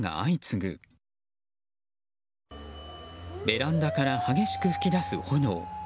ベランダから激しく噴き出す炎。